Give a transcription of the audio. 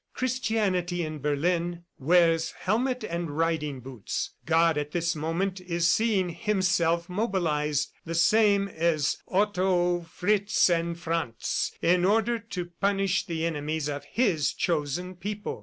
"Christianity in Berlin wears helmet and riding boots. God at this moment is seeing Himself mobilized the same as Otto, Fritz and Franz, in order to punish the enemies of His chosen people.